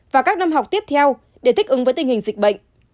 và các năm học tiếp theo để thích ứng với tình hình dịch bệnh